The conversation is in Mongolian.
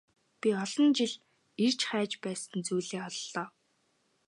Би олон жил эрж хайж байсан зүйлээ оллоо.